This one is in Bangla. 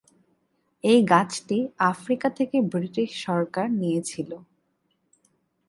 এই গাছটি আফ্রিকা থেকে ব্রিটিশ সরকার নিয়েছিল।